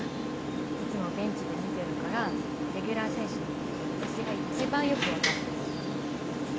いつもベンチで見てるからレギュラー選手のことは私が一番よく分かってるつもり。